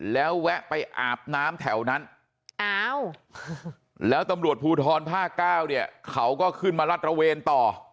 แล้วแวะไปอาบน้ำแถวนั้นแล้วตำรวจภูทร๕๙เขาก็ขึ้นมารัฐระเวนต่อ